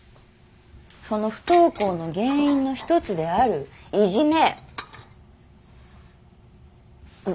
その不登校の原因の一つであるいじめ。